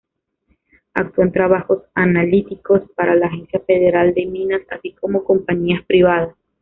Actuó en trabajos analíticos para la Agencia Federal de Minas así como compañías privadas.